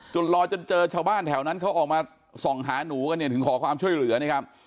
รอจนเจอชาวบ้านแถวนั้นเขาออกมาส่องหาหนูกันเนี่ยถึงขอความช่วยเหลือนะครับ